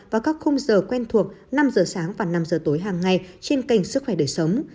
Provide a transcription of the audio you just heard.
vào các khung giờ quen thuộc năm giờ sáng và năm giờ tối hàng ngày trên kênh sức khỏe đời sống